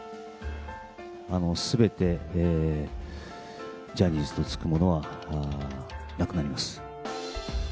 すべてジャニーズと付くものは、なくなります。